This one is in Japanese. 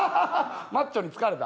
マッチョに疲れた。